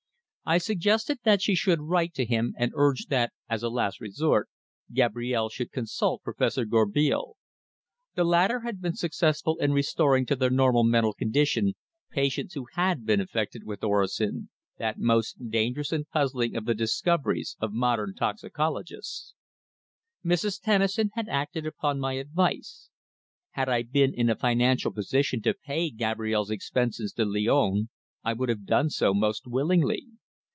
I suggested that she should write to him and urge that, as a last resort, Gabrielle should consult Professor Gourbeil. The latter had been successful in restoring to their normal mental condition patients who had been infected with orosin, that most dangerous and puzzling of the discoveries of modern toxicologists. Mrs. Tennison had acted upon my advice. Had I been in a financial position to pay Gabrielle's expenses to Lyons I would have done so most willingly.